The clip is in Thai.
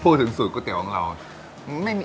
พูดถึงสูตรก๋วยเตี๋ยวของเรา